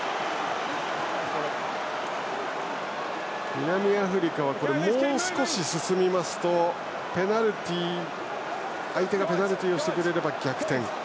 南アフリカはもう少し進みますと相手がペナルティーをしてくれれば逆転。